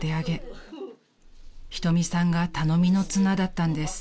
［瞳さんが頼みの綱だったんです］